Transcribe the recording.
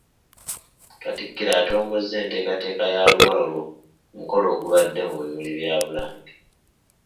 Katikkiro atongozza enteekateeka ya ‘Luwalo lwo’ ku mukolo ogubadde mu bimuli bya Bulange.